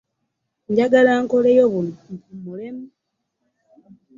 Njagalankoleyo bunno mpumullemu .